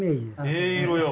ええ色よ。